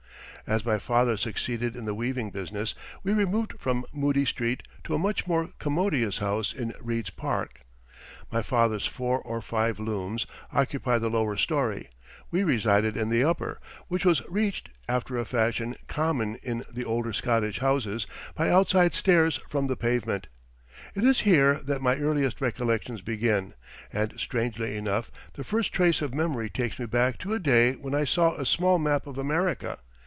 As my father succeeded in the weaving business we removed from Moodie Street to a much more commodious house in Reid's Park. My father's four or five looms occupied the lower story; we resided in the upper, which was reached, after a fashion common in the older Scottish houses, by outside stairs from the pavement. It is here that my earliest recollections begin, and, strangely enough, the first trace of memory takes me back to a day when I saw a small map of America.